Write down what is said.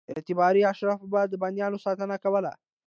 اعتباري اشرافو به د بندیانو ساتنه کوله.